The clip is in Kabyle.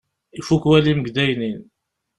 Ifukk walim deg udaynin.